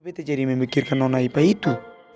bete jadi memikirkan nona ipa itu